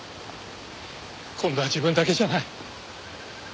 今度は自分だけじゃない。